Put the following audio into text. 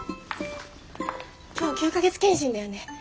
今日９か月健診だよね？